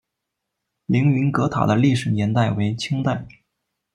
凌云阁塔的历史年代为清代。